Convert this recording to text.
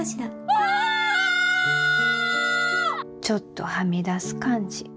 ちょっとはみ出す感じ